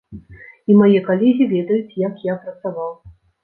І мае калегі ведаюць, як я працаваў.